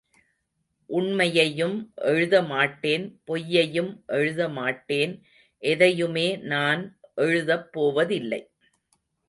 உண்மையையும் எழுத மாட்டேன் பொய்யையும் எழுத மாட்டேன் எதையுமே நான் எழுதப் போவதில்லை.